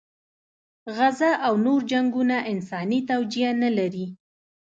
غزه او نور جنګونه انساني توجیه نه لري.